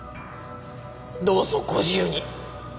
どうぞご自由に。